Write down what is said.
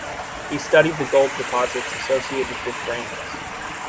He studied the gold deposits associated with granites.